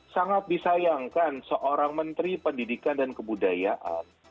sangat disayangkan seorang menteri pendidikan dan kebudayaan